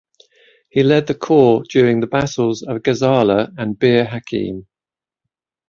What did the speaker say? He led the Corps during the battles of Gazala and Bir Hakeim.